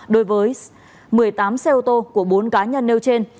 đối với một mươi tám xe ô tô của bốn cá nhân nêu trên